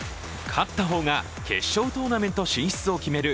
勝った方が決勝トーナメント進出を決める